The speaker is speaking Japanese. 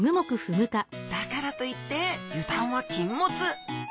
だからといって油断は禁物。